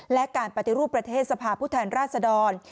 และการปฏิรูปประเทศสภาพผู้แทนราชดร